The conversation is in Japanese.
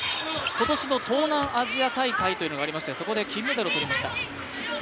今年の東南アジア大会というのがありましてそこで金メダルをとりました。